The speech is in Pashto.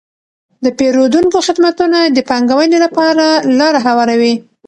د پیرودونکو خدمتونه د پانګونې لپاره لاره هواروي.